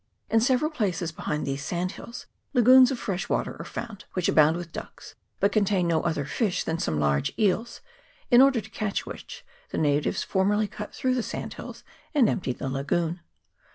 In several places behind these sand hills lagoons of fresh water are found, which abound with ducks, but contain no other fish than some large eels, in order to catch which the natives formerly cut through the sand hills and emptied the lagoon.